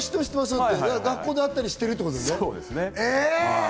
学校で会ったりしてるってこそうです。